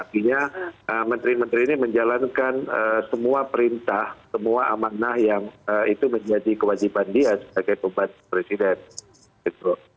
artinya menteri menteri ini menjalankan semua perintah semua amanah yang itu menjadi kewajiban dia sebagai pembantu presiden gitu